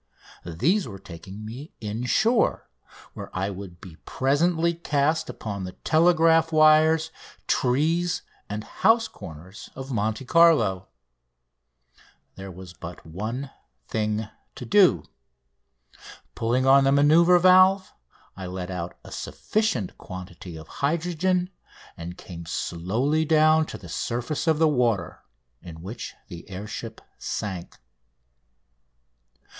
These were taking me in shore, where I would be presently cast upon the telegraph wires, trees, and house corners of Monte Carlo. There was but one thing to do. Pulling on the manoeuvre valve I let out a sufficient quantity of hydrogen and came slowly down to the surface of the water, in which the air ship sank.